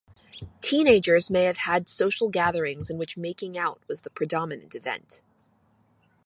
Teenagers may have had social gatherings in which making out was the predominant event.